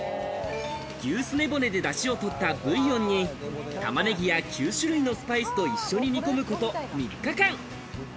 牛スネ骨でダシをとったブイヨンに、玉ねぎや９種類のスパイスと一緒に煮込むこと３日間。